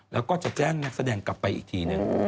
แล้วก็จะแจ้งนักแสดงกลับไปอีกทีหนึ่ง